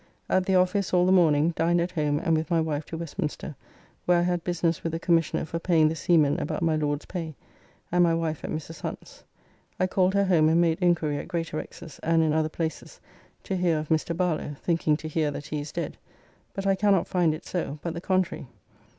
At the office all the morning, dined at home and with my wife to Westminster, where I had business with the Commissioner for paying the seamen about my Lord's pay, and my wife at Mrs. Hunt's. I called her home, and made inquiry at Greatorex's and in other places to hear of Mr. Barlow (thinking to hear that he is dead), but I cannot find it so, but the contrary.